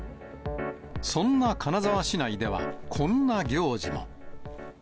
そんな金沢市内では、こんな行事も。